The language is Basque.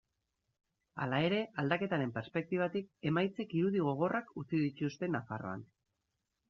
Hala ere, aldaketaren perspektibatik, emaitzek irudi gogorrak utzi dituzte Nafarroan.